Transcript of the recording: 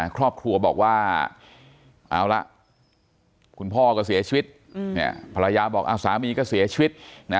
ครอบครัวบอกว่าเอาละคุณพ่อก็เสียชีวิตภรรยาบอกสามีก็เสียชีวิต